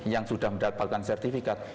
yang sudah mendapatkan sertifikat